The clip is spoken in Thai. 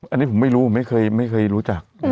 อันนี้ผมไม่รู้ผมไม่เคยรู้จัก